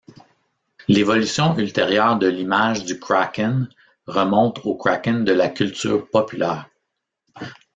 L'évolution ultérieure de l'image du Kraken remonte au Kraken de la culture populaire.